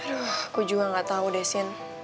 aduh aku juga gak tau desyen